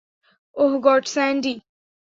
Oh God, Sandy.